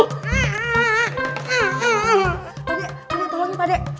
pak dek tolongin pak dek